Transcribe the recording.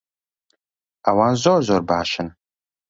ئەوان زۆر زۆر باشن.